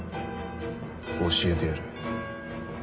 教えてやる。